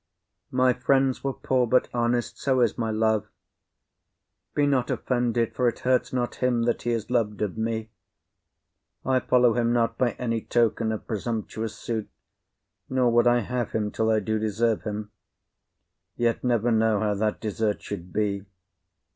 My friends were poor, but honest; so's my love. Be not offended; for it hurts not him That he is lov'd of me; I follow him not By any token of presumptuous suit, Nor would I have him till I do deserve him; Yet never know how that desert should be.